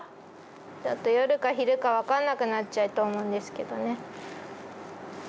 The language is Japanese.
ちょっと夜か昼か、分からなくなっちゃうと思うんですけれどもね。